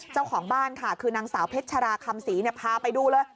เจ้าของบ้านค่ะคือนางสาวเพชราคำศรีพาไปดูเลย